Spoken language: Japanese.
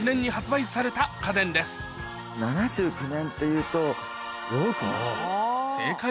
７９年っていうと。